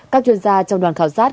các chuyên gia trong đoàn khảo sát